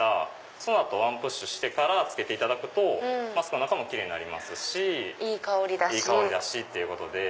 その後ワンプッシュしてから着けていただくとマスクの中もキレイになりますしいい香りだしっていうことで。